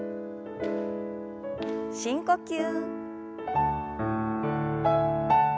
深呼吸。